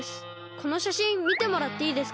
このしゃしんみてもらっていいですか？